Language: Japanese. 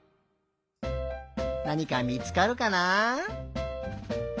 なにかみつかるかな？